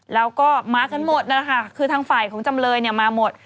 แล้วก็มะขนหมดแล้วค่ะคือทางฝ่าของจำเลยมาหมด